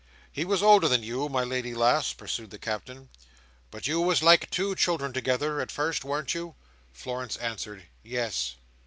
"He was older than you, my lady lass," pursued the Captain, "but you was like two children together, at first; wam't you?" Florence answered "Yes."